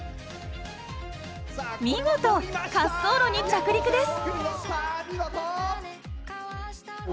見事滑走路に着陸です！